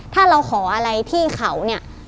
ถ้าเราขออะไรที่เขาเนี่ย